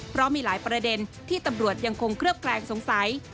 เพราะมีหลายประเด็นที่ตำรวจยังคงเคลือบแคลงสงสัย